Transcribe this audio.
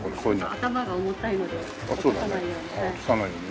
頭が重たいので落とさないように。